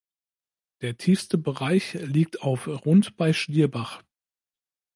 Der tiefste Bereich liegt auf rund bei Schlierbach.